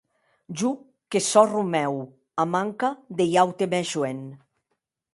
Jo que sò Romèu, a manca de un aute mès joen.